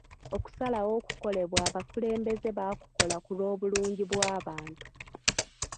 Okusalawo okukolebwa abakulembeze, bakukola ku lw'obulungi bw'abantu.